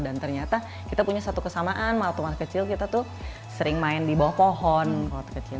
dan ternyata kita punya satu kesamaan waktu waktu kecil kita tuh sering main di bawah pohon waktu kecil